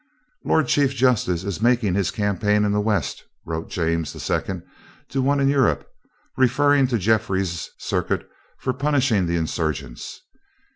"Lord chief justice is making his campaign in the west," wrote James II. to one in Europe, referring to Jeffries' circuit for punishing the insurgents.